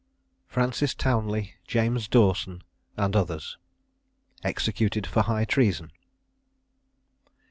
FRANCIS TOWNLEY, JAMES DAWSON, AND OTHERS. EXECUTED FOR HIGH TREASON.